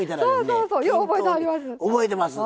そうそうよう覚えてはります。